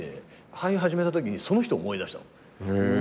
俳優始めたときにその人を思い出したの。